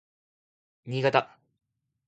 新潟